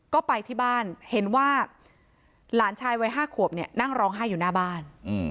ก็ไปที่บ้านเห็นว่าหลานชายวัย๕ขวบเนี่ยนั่งร้องไห้อยู่หน้าบ้าน